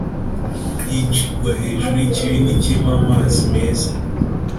yicirwa hejuru y ikibindi kirimo amazi meza